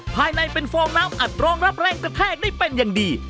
ภายในเป็นฟองน้ำอัดรองรับแรงกระแทกได้เป็นอย่างดี